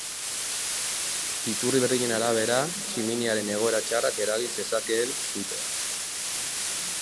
Iturri berdinen arabera, tximiniaren egoera txarrak eragin zezakeen sutea.